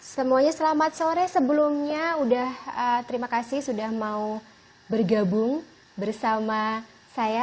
semuanya selamat sore sebelumnya sudah terima kasih sudah mau bergabung bersama saya